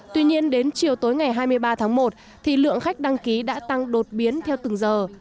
tuy nhiên đến chiều tối ngày hai mươi ba tháng một thì lượng khách đăng ký đã tăng đột biến theo từng giờ